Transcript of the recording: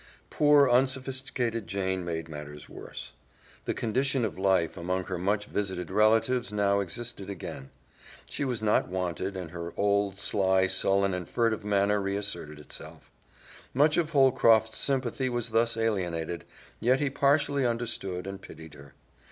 Poor, unsophisticated Jane made matters worse. The condition of life among her much visited relatives now existed again. She was not wanted, and her old sly, sullen, and furtive manner reasserted itself. Much of Holcroft's sympathy was thus alienated, yet he partially understood and pitied her.